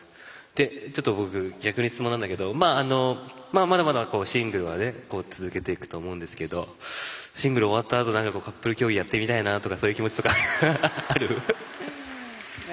ちょっと僕、逆に質問なんだけどまだまだシングルは続けていくと思うんですけどシングル終わったあとカップル競技やってみたいなとかそういう気持ちとかある？